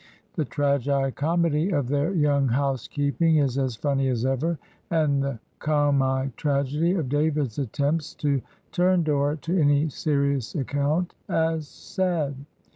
The tragicomedy of their young housekeeping is as funny as ever, and the comitragedy of David's attempts to turn Dora to any serious ac count, as sad.